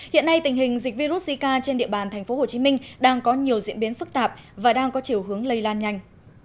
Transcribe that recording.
hiện nay tình hình dịch virus zika trên địa bàn thành phố hồ chí minh đang có nhiều diễn biến phức tạp và đang có chiều hướng lây lan nhanh